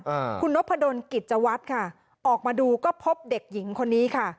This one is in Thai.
อ่าคุณนพดลกิจวัตรค่ะออกมาดูก็พบเด็กหญิงคนนี้ค่ะ